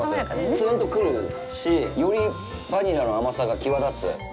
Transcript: つんと来るし、よりバニラの甘さが際立つ。